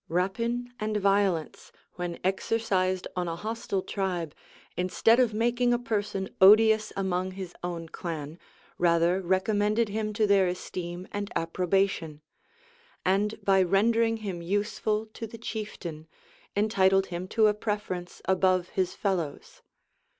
Rapine and violence, when exercised on a hostile tribe, instead of making a person odious among his own clan, rather recommended him to their esteem and approbation; and by rendering him useful to the chieftain, entitled him to a preference above his fellows.